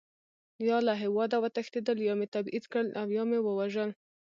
یا له هېواده وتښتېدل، یا مې تبعید کړل او یا مې ووژل.